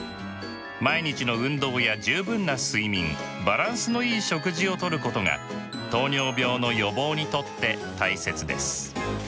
毎日の運動や十分な睡眠バランスのいい食事をとることが糖尿病の予防にとって大切です。